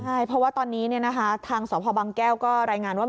ใช่เพราะว่าตอนนี้ทางสพบังแก้วก็รายงานว่า